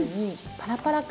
パラパラだ！